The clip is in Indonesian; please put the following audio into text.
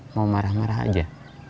mau marah marah aja